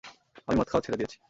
আমি মদ খাওয়া ছেড়ে দিয়েছি।